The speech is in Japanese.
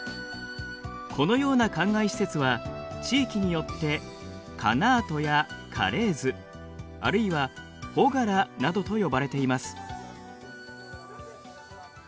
このようなかんがい施設は地域によってカナートやカレーズあるいはフォガラなどと呼ばれています。